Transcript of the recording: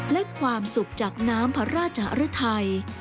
และความสุขจากน้ำพระราชฤทัย